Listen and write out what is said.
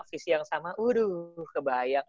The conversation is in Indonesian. visi yang sama waduh kebayang